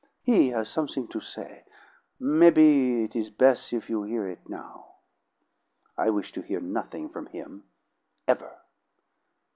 "He has something to say; maybe it is bes' if you hear it now." "I wish to hear nothing from him ever!"